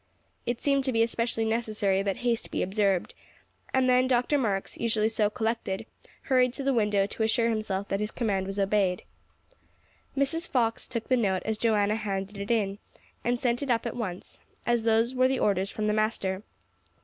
It seemed to be especially necessary that haste be observed; and Dr. Marks, usually so collected, hurried to the window to assure himself that his command was obeyed. Mrs. Fox took the note as Joanna handed it in, and sent it up at once, as those were the orders from the master.